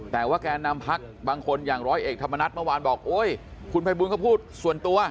แต่ว่าแกนนำพักบางคนอย่างร้อยเอกธรรมนัฐเมื่อวานบอกโอ๊ยคุณภัยบูลก็พูดส่วนตัว